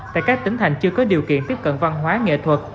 tại các tỉnh thành chưa có điều kiện tiếp cận văn hóa nghệ thuật